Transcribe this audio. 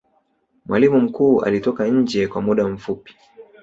mwalimu mkuu alitoka nje kw muda mfupi